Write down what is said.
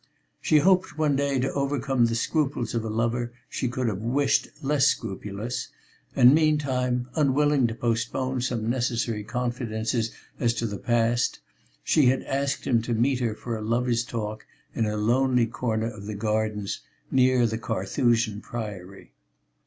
She hoped one day to overcome the scruples of a lover she could have wished less scrupulous, and meantime, unwilling to postpone some necessary confidences as to the past, she had asked him to meet her for a lover's talk in a lonely corner of the gardens near the Carthusian Priory.